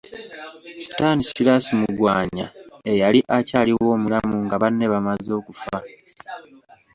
Stanislas Mugwanya eyali akyaliwo omulamu nga banne bamaze okufa.